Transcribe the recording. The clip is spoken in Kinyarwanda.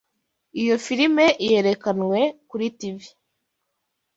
Iyo firime yerekanwe kuri TV.